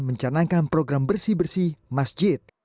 mencanangkan program bersih bersih masjid